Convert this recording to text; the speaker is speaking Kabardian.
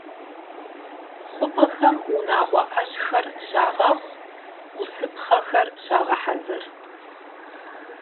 ХъупӀэхэм унагъуэ Ӏэщхэр щагъэхъу, Ӏусыпхъэхэр щагъэхьэзыр.